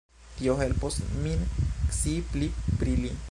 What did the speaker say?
Tio helpos min scii pli pri li.